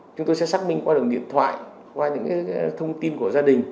chúng tôi sẽ xác minh qua đường điện thoại qua những thông tin của gia đình